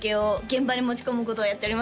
現場に？